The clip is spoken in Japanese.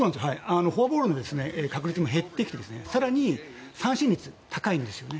フォアボールの確率も減ってきて更に、三振率が高いんですよね。